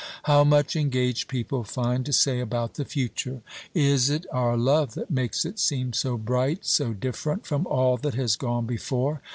How much engaged people find to say about the future! Is it our love that makes it seem so bright, so different from all that has gone before?